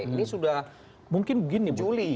ini sudah juli